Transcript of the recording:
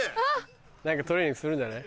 何かトレーニングするんじゃない？